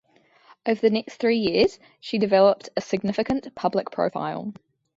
Over the next three years, she developed a significant public profile.